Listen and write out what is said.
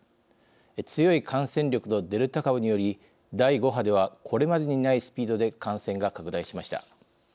強い感染力のデルタ株により第５波ではこれまでにないスピードで感染が拡大しました。